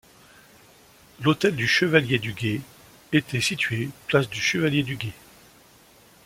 L'hôtel du chevalier-du-Guet était situé place du Chevalier-du-Guet.